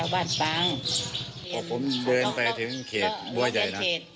บอกว่าเบนไปถึงเขตบัวใหญ่